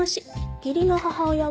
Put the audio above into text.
義理の母親は